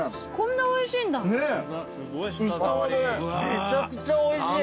めちゃくちゃおいしい。